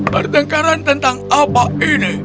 pertengkaran tentang apa ini